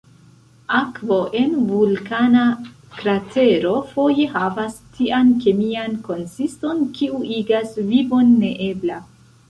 Akvo en vulkana kratero foje havas tian kemian konsiston, kiu igas vivon neebla.